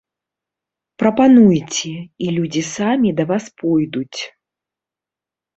Прапануйце, і людзі самі да вас пойдуць.